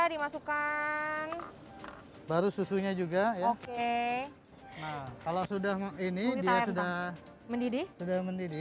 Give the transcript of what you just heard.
dimasukkan baru susunya juga oke kalau sudah mau ini dia sudah mendidih sudah mendidih